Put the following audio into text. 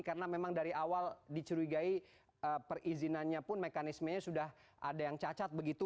karena memang dari awal dicurigai perizinannya pun mekanismenya sudah ada yang cacat begitu